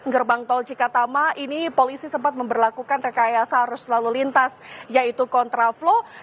gerbang tol cikatama ini polisi sempat memperlakukan rekayasa arus lalu lintas yaitu kontraflow